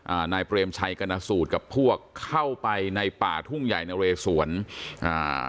นายเปรมชัยกรณสูตรกับพวกเข้าไปในป่าทุ่งใหญ่นะเรสวนอ่า